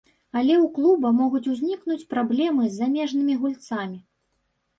Але ў клуба могуць узнікнуць праблемы з замежнымі гульцамі.